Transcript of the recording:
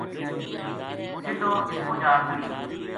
سدھو اس پو جا چڑھیو